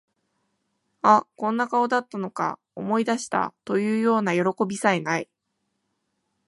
あ、こんな顔だったのか、思い出した、というようなよろこびさえ無い